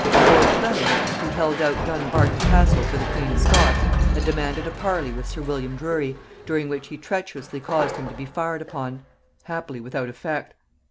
Lord Fleming, who held out Dumbarton castle for the queen of Scots, had demanded a parley with sir William Drury, during which he treacherously caused him to be fired upon; happily without effect.